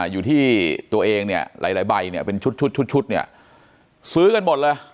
อยู่ที่ตัวเองเนี่ยหลายใบเนี่ยเป็นชุดเนี่ยซื้อกันหมดเลย